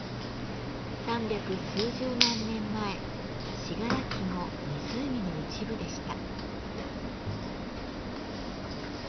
三百数十万年前信楽も湖の一部でした。